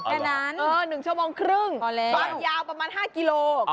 แค่นั้นพอแล้ว๑ชั่วโมงครึ่งรอบยาวประมาณ๕กิโลกรัม